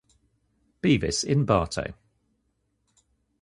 Bevis in Bartow.